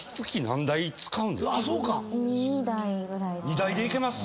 ２台でいけます